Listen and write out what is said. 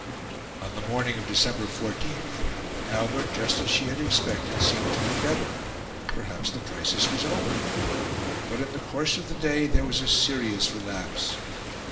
On the morning of December 14, Albert, just as she had expected, seemed to be better; perhaps the crisis was over. But in the course of the day there was a serious relapse.